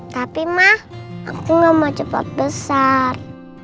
tapi ma aku gak mau cepat besar